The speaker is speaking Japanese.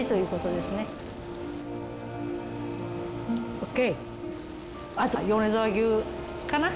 ［ＯＫ！